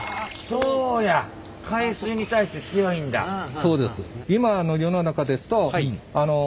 そうです。